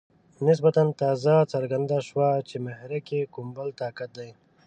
نسبتاً تازه څرګنده شوه چې محرک یې کوم بل طاقت دی.